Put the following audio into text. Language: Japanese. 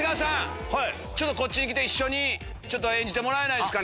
こっちに来て一緒に演じてもらえないですか？